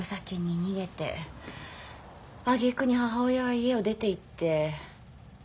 あげくに母親は家を出ていって自暴自棄？